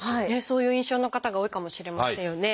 そういう印象の方が多いかもしれませんよね。